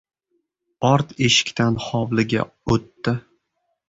Ort eshikdan hovliga o‘tdi.